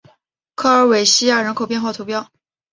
科尔韦西亚人口变化图示